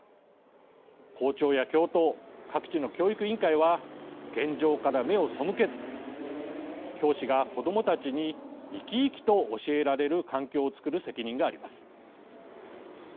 校長や教頭各地の教育委員会は現状から目を背けず教師が子どもたちに生き生きと教えられる環境を作る責任があります。